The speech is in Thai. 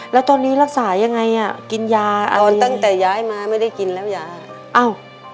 แล้วตอนนี้รักษายังไงอ่ะกินยาตอนตั้งแต่ย้ายมาไม่ได้กินแล้วยาอ้าว